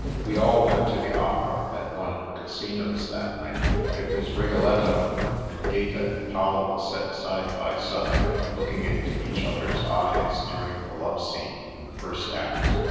We all went to the opera at one of the Casinos that night. It was " Rigoletto," and Gaeta and Paolo sat side by side, looking into each other's eyes during the love scene in the first act.